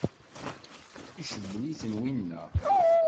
Icewwel-iten winna?